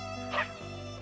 はい。